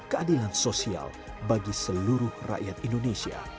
keadilan sosial bagi seluruh rakyat indonesia